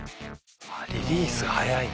リリースが早い。